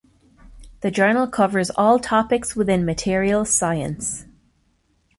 The journal covers all topics within materials science.